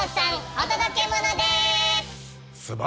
お届けモノです！